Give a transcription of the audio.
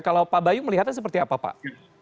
kalau pak bayu melihatnya seperti apa pak